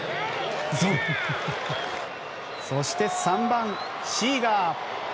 そして３番、シーガー！